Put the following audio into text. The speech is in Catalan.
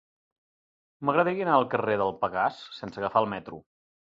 M'agradaria anar al carrer del Pegàs sense agafar el metro.